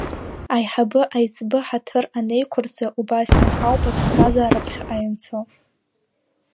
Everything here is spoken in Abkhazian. Аиҳабы аиҵбы ҳаҭыр анеиқәырҵа убасҟан ауп аԥсҭазаара ԥхьаҟа ианцо.